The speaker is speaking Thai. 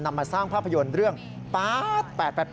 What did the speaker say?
มาสร้างภาพยนตร์เรื่องป๊าด๘๘